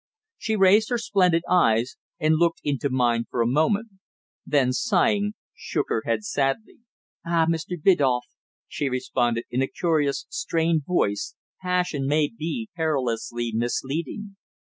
She raised her splendid eyes, and looked into mine for a moment; then, sighing, shook her head sadly. "Ah! Mr. Biddulph," she responded in a curious, strained voice, "passion may be perilously misleading.